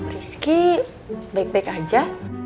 rizky baik baik aja